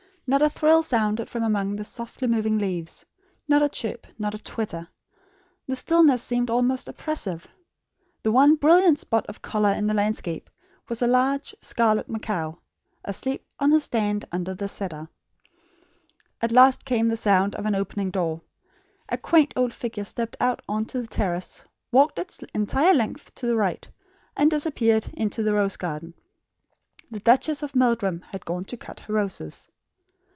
Not a trill sounded from among the softly moving leaves, not a chirp, not a twitter. The stillness seemed almost oppressive. The one brilliant spot of colour in the landscape was a large scarlet macaw, asleep on his stand under the cedar. At last came the sound of an opening door. A quaint old figure stepped out on to the terrace, walked its entire length to the right, and disappeared into the rose garden. The Duchess of Meldrum had gone to cut her roses.